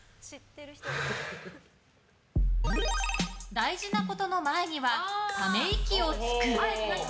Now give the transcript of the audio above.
大事なことの前にはため息をつく。